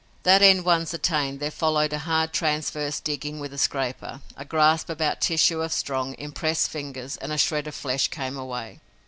That end once attained, there followed a hard transverse digging with the scraper, a grasp about tissue of strong, impressed fingers, and a shred of flesh came away.